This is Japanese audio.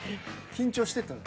緊張してた？